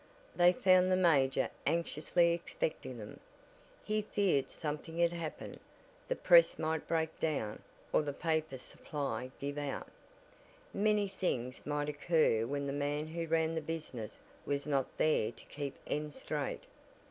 They found the major anxiously expecting them. He feared something had happened the press might break down, or the paper supply give out, Many things might occur when the man who ran the business was not there to keep ends straight.